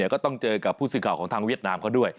ก็ต้องเจอกับผู้สื่อข่าวของทางเวียดนามเขาด้วย